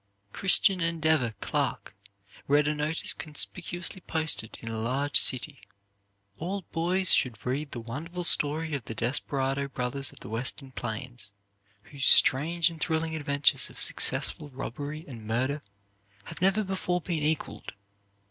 "Christian Endeavor" Clark read a notice conspicuously posted in a large city: "All boys should read the wonderful story of the desperado brothers of the Western plains, whose strange and thrilling adventures of successful robbery and murder have never before been equaled.